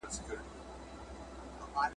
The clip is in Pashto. پښې چي مي مزلونو شوړولې اوس یې نه لرم ..